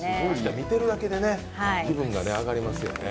見てるだけで気分が上がりますよね。